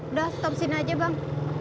udah stop sini aja bang